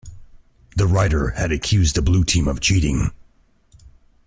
The writer had accused the Blue Team of cheating.